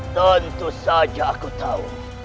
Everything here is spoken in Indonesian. tentu saja aku tahu